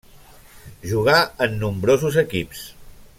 Jugà en nombrosos equips.